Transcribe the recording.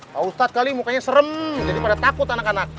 pak ustadz kali mukanya serem jadi pada takut anak anak